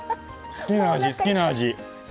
好きな味、好きな味！